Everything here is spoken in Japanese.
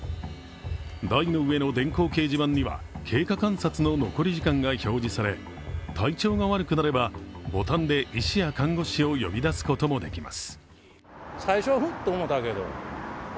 台の上の電光掲示板には経過観察の残り時間が表示され体調が悪くなれば、ボタンで医師や看護師を呼び出すこともできます。